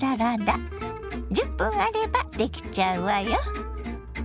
１０分あればできちゃうわよ。